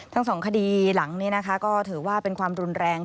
ทั้งสองคดีหลังนี้นะคะก็ถือว่าเป็นความรุนแรง